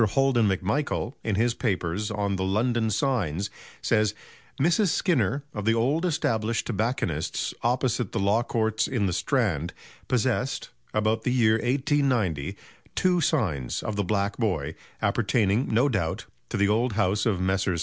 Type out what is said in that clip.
Holden MacMichael, in his papers on "The London Signs" says: "Mrs. Skinner, of the old established tobacconist's opposite the Law Courts in the Strand, possessed, about the year 1890, two signs of the 'Black Boy,' appertaining, no doubt, to the old house of Messrs.